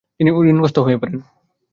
তিনি ঋণগ্রস্তও হয়ে পড়েন।